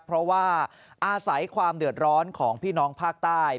เพราะว่าอาศัยความเดือดร้อนของพี่น้องภาคใต้